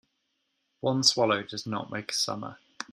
One swallow does not make a summer.